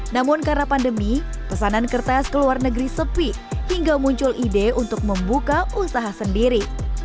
namun karena pandemi pesanan kertas ke luar negeri sepi hingga muncul ide untuk membuka usaha sendiri